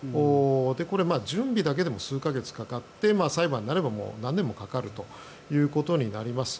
これ、準備だけでも数か月かかって裁判になれば何年もかかるということになります。